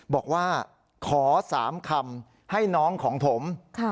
บอกว่าขอ๓คำให้น้องของผม